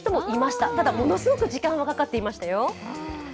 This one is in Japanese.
ただ、ものすごく時間はかかっていましたよ。